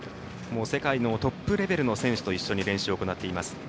もう世界のトップレベルの選手と一緒に練習を行っています。